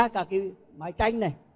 cả cái mái tranh này